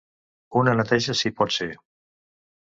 Una neteja si pot ser.